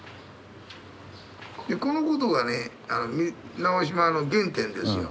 このことがね直島の原点ですよ。